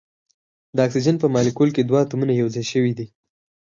د اکسیجن په مالیکول کې دوه اتومونه یو ځای شوي دي.